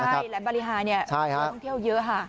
ใช่แหลมบาริฮายนี้เรือท่องเที่ยวเยอะค่ะ